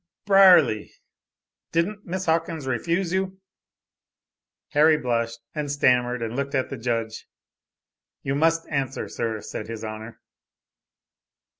er....Brierly! Didn't Miss Hawkins refuse you?" Harry blushed and stammered and looked at the judge. "You must answer, sir," said His Honor.